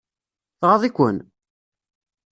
Tɣaḍ-iken?